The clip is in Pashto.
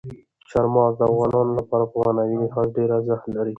چار مغز د افغانانو لپاره په معنوي لحاظ ډېر ارزښت لري.